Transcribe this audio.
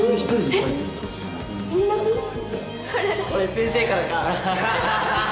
これ先生からか。